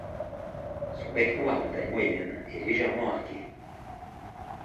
Son bec noir de taille moyenne est légèrement arqué.